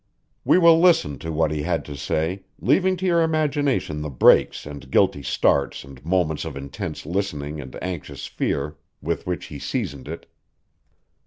We will listen to what he had to say, leaving to your imagination the breaks and guilty starts and moments of intense listening and anxious fear with which he seasoned it.